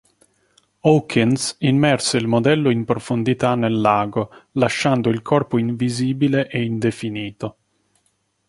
Hawkins immerse il modello in profondità nel lago, lasciando il corpo invisibile e indefinito.